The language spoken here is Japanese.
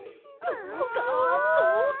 どうかどうか。